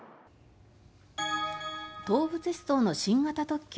東武鉄道の新型特急